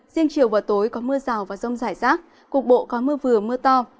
riêng chiều và tối có mưa rào và rông rải rác cục bộ có mưa vừa mưa to